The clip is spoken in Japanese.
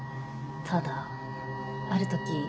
ただあるとき